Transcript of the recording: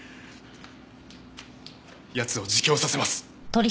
奴を自供させます！